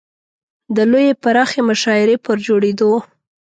د لویې پراخې مشاعرې پر جوړېدو.